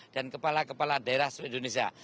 dan kepala kepala daerah seluruh indonesia